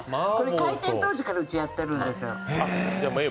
開店当時からうちやってるんですよ。